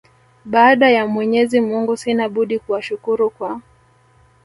Baada ya Mwenyezi mungu sina budi kuwashukuru kwa